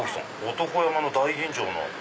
男山の大吟醸の。